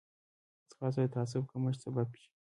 ځغاسته د تعصب کمښت سبب شي